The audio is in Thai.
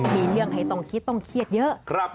มีเรื่องให้ต้องคิดต้องเครียดเยอะ